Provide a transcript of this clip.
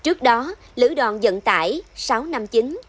trước đó lữ đoàn dân tải sáu năm chính